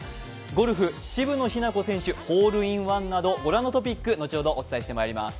ゴルフ、渋野日向子選手、ホールインワンなど、ご覧のトピック後ほどお伝えして参ります。